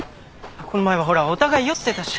この前はほらお互い酔ってたし。